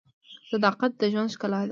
• صداقت د ژوند ښکلا ده.